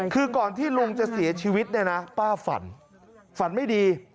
คือก่อนที่ลุงจะเสียชีวิตเนี่ยนะป้าฝันฝันไม่ดี